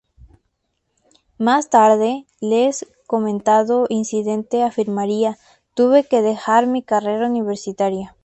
Más tarde, Lees, comentando el incidente, afirmaría: "tuve que dejar mi carrera universitaria.